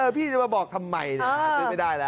พี่จะมาบอกทำไมนึกไม่ได้ละ